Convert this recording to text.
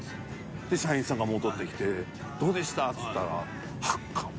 で社員さんが戻ってきて「どうでした？」つったら「あかん」。